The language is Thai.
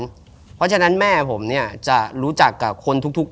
เพราะฉะนั้นแม่ผมเนี่ยจะรู้จักกับคนทุกคน